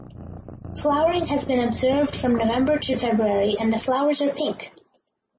Flowering has been observed from November to February and the flowers are pink.